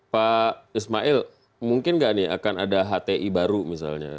pak ismail mungkin nggak nih akan ada hti baru misalnya